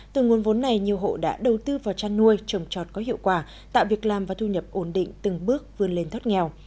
từ nguồn vốn này nhiều hộ đã đầu tư vào chăn nuôi trồng trọt có hiệu quả tạo việc làm và thu nhập ổn định từng bước vươn lên thoát nghèo